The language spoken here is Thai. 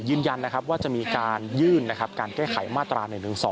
ยืนยันว่าจะมีการยื่นการแก้ไขมาตรา๑๑๒